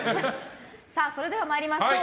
それでは参りましょう。